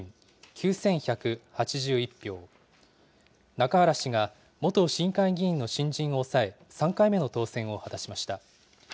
中原氏が、元市議会議員の新人を抑え、３回目の当選を果たしました。